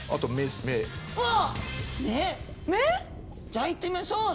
じゃあいってみましょう。